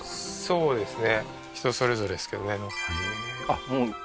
そうですね